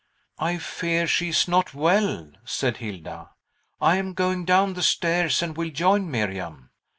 "I fear she is not well," said Hilda. "I am going down the stairs, and will join Miriam."